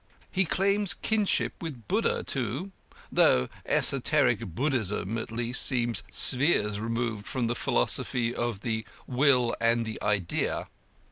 He claims kinship with Buddha, too; though Esoteric Buddhism at least seems spheres removed from the philosophy of 'the Will and the Idea.'